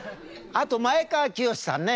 あと前川清さんね。